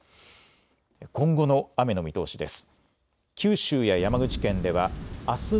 今後の雨の見通しです。